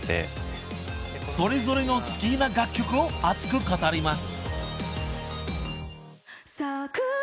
［それぞれの好きな楽曲を熱く語ります］